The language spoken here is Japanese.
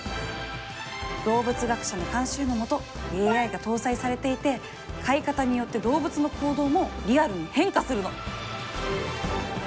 動物学者の監修のもとＡＩが搭載されていて飼い方によって動物の行動もリアルに変化するの。